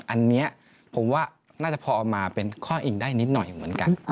อันนี้ผมว่าน่าจะพอเอามาเป็นข้ออิงได้นิดหน่อยเหมือนกัน